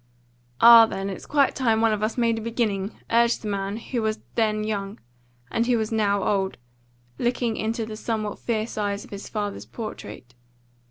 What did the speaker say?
"Ah, then, it's quite time one of us made a beginning," urged the man who was then young, and who was now old, looking into the somewhat fierce eyes of his father's portrait.